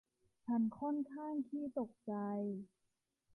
ฉันค่อนข้างขี้ตกใจ